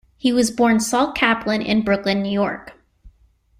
He was born Saul Kaplan in Brooklyn, New York.